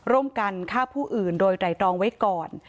ร่วมกันฆ่าผู้อื่นโดยไตรรองไว้ก่อน